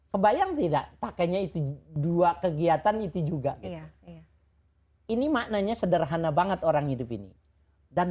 kebayang tidak pakainya itu dua kegiatan itu juga gitu ini maknanya sederhana banget orang hidup ini dan